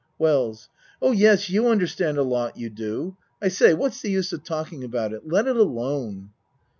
WELLS Oh, yes, you understand a lot, you do. I say, what's the use of talking about it? Let it alone.